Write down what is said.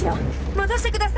戻してください！